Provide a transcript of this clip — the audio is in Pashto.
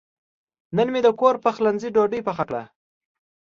نن مې د کور پخلنځي ډوډۍ پخه کړه.